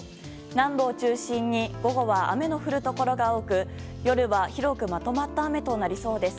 南部を中心に午後は雨の降るところが多く夜は広くまとまった雨となりそうです。